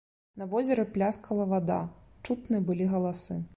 На возеры пляскала вада, чутны былі галасы.